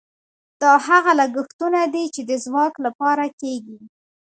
دا هغه لګښتونه دي چې د ځواک لپاره کیږي.